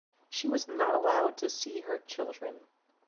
She was not allowed to see her children.